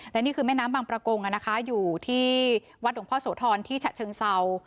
และนี่คือแม่น้ำบางประกงอยู่ที่วัดหลวงพ่อโสธรที่ฉะเชิงเศร้า